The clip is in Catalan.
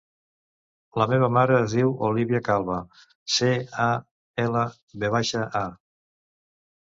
La meva mare es diu Olívia Calva: ce, a, ela, ve baixa, a.